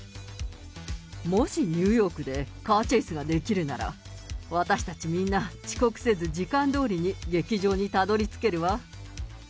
もしニューヨークでカーチェイスができるなら、私たちみんな遅刻せず時間通りに劇場にたどりつけるわ。